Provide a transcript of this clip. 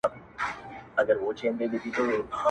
ژبور او سترګور دواړه په ګور دي.!